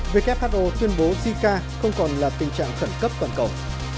who tuyên bố zika không còn là tình trạng khẩn cấp toàn cầu